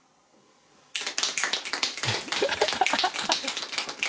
ハハハハ。